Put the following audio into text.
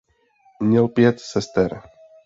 Měl pět sester.